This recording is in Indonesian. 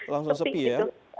langsung sepi ya